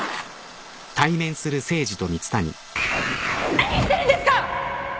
何してるんですか！？